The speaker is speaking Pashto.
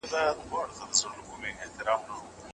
مدني فعالانو د ښځو د حقونو لپاره ږغ پورته کاوه.